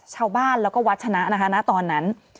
ชาวบ้านแล้วก็วัชนะนะคะณตอนนั้น